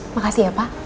makasih ya pak